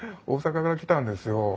大阪から来たんですよ。